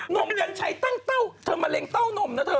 มกัญชัยตั้งเต้าเธอมะเร็งเต้านมนะเธอ